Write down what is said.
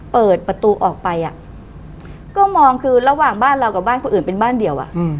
เปิดประตูออกไปก็มองคือระหว่างบ้านเรากับบ้านคนอื่นเป็นบ้านเดียว